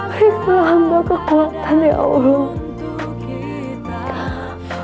beri kembali kekuatan ya allah